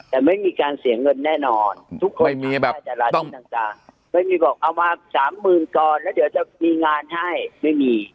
แต่ไม่มีการเสียเงินแน่นอนทุกคนมีแบบจราจรต่างไม่มีบอกเอามาสามหมื่นก่อนแล้วเดี๋ยวจะมีงานให้ไม่มี